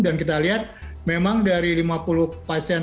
dan kita lihat memang dari lima puluh pasien